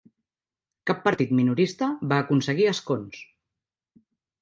Cap partit minorista va aconseguir escons.